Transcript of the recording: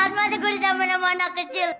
kan masih gue disambil sama anak kecil